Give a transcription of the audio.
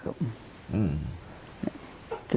สบายใจเยอะค่ะ